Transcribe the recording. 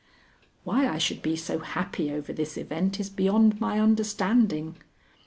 Why I should be so happy over this event is beyond my understanding.